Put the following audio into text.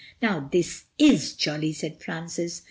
"Now, this is jolly," said Francis.